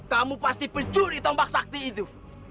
kamu pasti pencuri tombak sakti itu